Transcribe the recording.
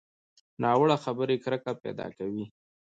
ناوړه خبرې کرکه پیدا کوي